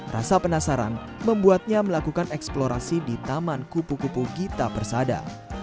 rasa penasaran membuatnya melakukan eksplorasi di taman kupu kupu gita persada